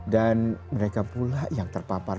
dan mereka pula yang terpapar